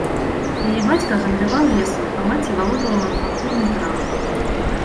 Яе бацька гандляваў лесам, а маці валодала мануфактурнай крамай.